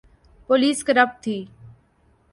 Police corrupt تھی۔